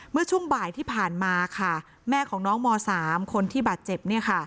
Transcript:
เมื่อช่วงบ่ายที่ผ่านมาค่ะแม่ของน้องม๓คนที่บาดเจ็บ